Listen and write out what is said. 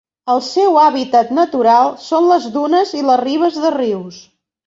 El seu hàbitat natural són les dunes i les ribes de rius.